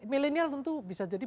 millenial tentu bisa jadi